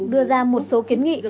đưa ra một số kiến nghị